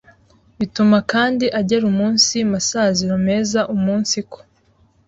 bituma kandi agera umunsi masaziro meza umunsiko